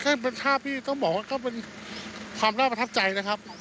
ซึ่งเป็นภาพที่ต้องบอกว่าก็เป็นความน่าประทับใจนะครับ